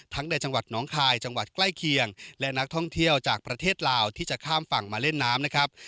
ในจังหวัดน้องคายจังหวัดใกล้เคียงและนักท่องเที่ยวจากประเทศลาวที่จะข้ามฝั่งมาเล่นน้ำนะครับ